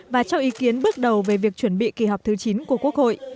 và cho ý kiến bước đầu về việc chuẩn bị kỳ họp thứ chín của quốc hội